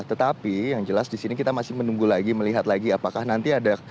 tetapi yang jelas di sini kita masih menunggu lagi melihat lagi apakah nanti ada